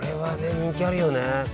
人気あるよね。